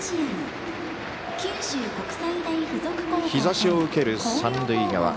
日ざしを受ける三塁側。